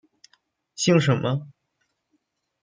姓什么？